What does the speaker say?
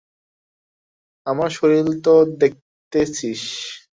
আমার শরীর তো দেখিতেছিস।